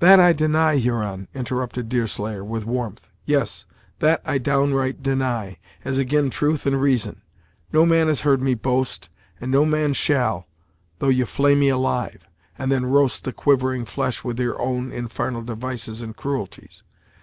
"That I deny, Huron " interrupted Deerslayer, with warmth "Yes, that I downright deny, as ag'in truth and reason. No man has heard me boast, and no man shall, though ye flay me alive, and then roast the quivering flesh, with your own infarnal devices and cruelties!